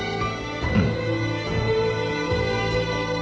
うん。